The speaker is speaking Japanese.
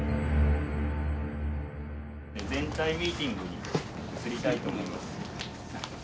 全体ミーティングに移りたいと思います。